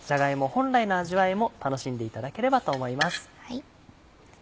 本来の味わいも楽しんでいただければと思います。